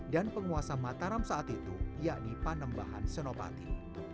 dan penguasa mataram saat itu yakni panembahan senopati